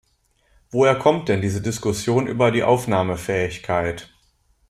Woher kommt denn diese Diskussion über die Aufnahmefähigkeit?